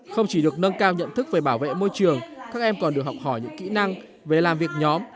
không chỉ được nâng cao nhận thức về bảo vệ môi trường các em còn được học hỏi những kỹ năng về làm việc nhóm